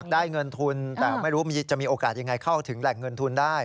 ได้เงินทุนแต่ไม่รู้จะมีโอกาสยังไงเข้าถึงแหล่งเงินทุนได้